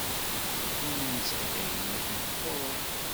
Win ur nesɛi tagmat, meḥquṛ.